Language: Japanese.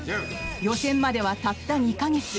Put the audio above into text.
予選までは、たった２か月。